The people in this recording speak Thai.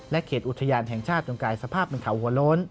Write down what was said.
เขตอุทยานแห่งชาติจนกลายสภาพเป็นเขาหัวโล้น